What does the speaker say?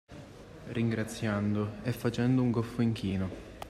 Ringraziando e facendo un goffo inchino